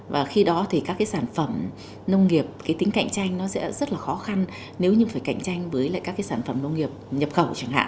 và khi đó thì các cái sản phẩm nông nghiệp cái tính cạnh tranh nó sẽ rất là khó khăn nếu như phải cạnh tranh với lại các cái sản phẩm nông nghiệp nhập khẩu chẳng hạn